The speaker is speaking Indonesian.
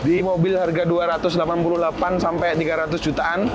di mobil harga dua ratus delapan puluh delapan sampai tiga ratus jutaan